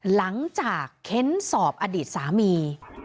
หลังจากเค้นสอบอดีตสามี